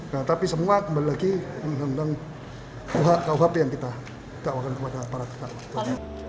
nah tapi semua kembali lagi menentang kuhp yang kita dakwakan kepada para kita